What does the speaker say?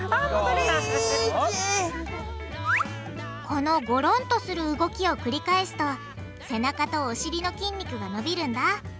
このゴロンとする動きを繰り返すと背中とお尻の筋肉が伸びるんだ。